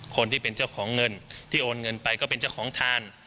คนที่เป็นเจ้าของเงินที่โอนเงินไปก็เป็นเจ้าของทาน